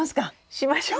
しましょう。